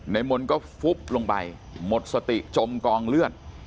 มนต์ก็ฟุบลงไปหมดสติจมกองเลือด